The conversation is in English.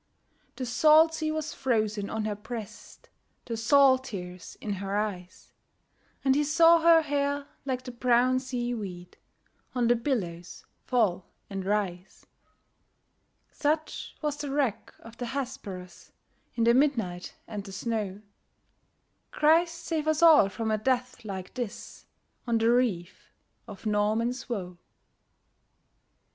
The salt sea was frozen on her breast, The salt tears in her eyes; And he saw her hair like the brown sea weed On the billows fall and rise. Such was the wreck of the Hesperus, In the midnight and the snow! Christ save us all from a death like this, On the reef of Norman's Woe! H.